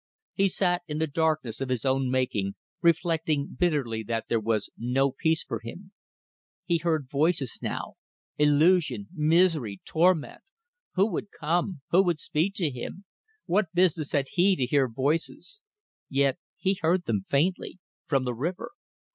He sat in the darkness of his own making, reflecting bitterly that there was no peace for him. He heard voices now. ... Illusion! Misery! Torment! Who would come? Who would speak to him? What business had he to hear voices? ... yet he heard them faintly, from the river.